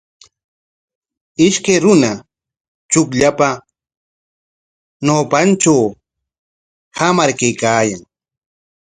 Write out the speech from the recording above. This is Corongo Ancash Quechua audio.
Ishkay runa chukllapa ñawpantraw hamar kaykaayan.